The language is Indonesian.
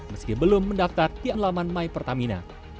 meski belum mendaftar di alaman my pertamina